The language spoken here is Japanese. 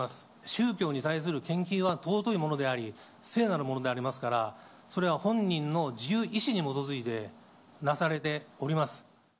宗教に対する献金は尊いものであり、聖なるものでありますから、それは本人の自由意思に基づいてなされております。